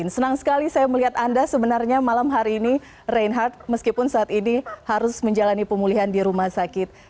senang sekali saya melihat anda sebenarnya malam hari ini reinhardt meskipun saat ini harus menjalani pemulihan di rumah sakit